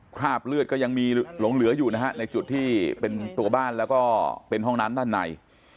คราบเลือดก็ยังมีหลงเหลืออยู่นะฮะในจุดที่เป็นตัวบ้านแล้วก็เป็นห้องน้ำด้านใน